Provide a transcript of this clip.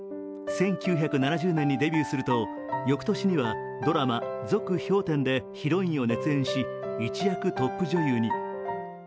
１９７０年にデビューすると、翌年にはドラマ「続・氷点」でヒロインを熱演し、一躍トップ女優に。